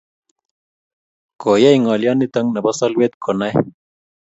Koyei ngolyonito nebo solwet konae